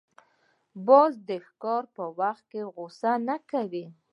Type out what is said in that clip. باز د ښکار پر وخت غوسه نه کوي